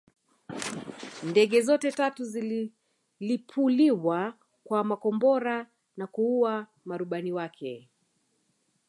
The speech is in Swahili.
Ndege zote tatu zililipuliwa kwa makombora na kuua marubani wake